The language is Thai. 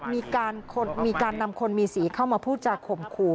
มีการนำคนมีสีเข้ามาพูดจากข่มขู่